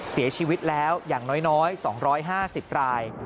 เสียชีวิตแล้วอย่างน้อย๒๕๐ราย